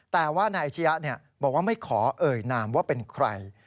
แต่ว่านายอาชียะบอกว่าไม่ขอเอ่ยนามว่าเป็นใคร